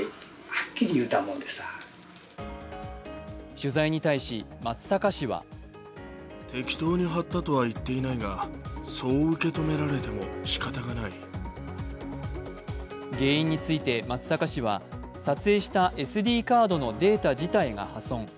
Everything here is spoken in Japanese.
取材に対し松阪市は原因について松阪市は撮影したＳＤカードのデータ自体が破損。